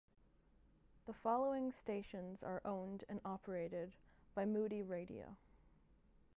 The following stations are owned and operated by Moody Radio.